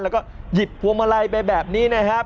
แล้วก็หยิบพวงมาลัยไปแบบนี้นะครับ